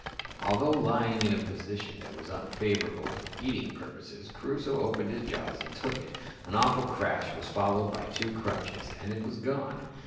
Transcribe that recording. Although lying in a position that was unfavourable for eating purposes, Crusoe opened his jaws and took it. An awful crash was followed by two crunches and it was gone!